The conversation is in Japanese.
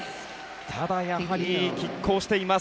ただやはり拮抗しています。